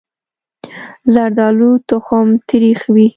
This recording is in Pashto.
زردالو تخم تریخ وي.